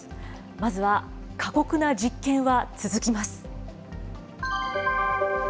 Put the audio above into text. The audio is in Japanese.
まずは過酷な実験は続きます。